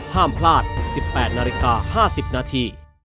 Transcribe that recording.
ห้ามพลาด๑๘นาฬิกา๕๐นาที